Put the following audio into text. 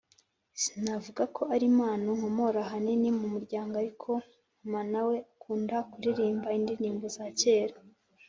Sinavuga ko ari impano nkomora ahanini mu muryango, ariko mama na we akunda kuririmba indirimbo za kera.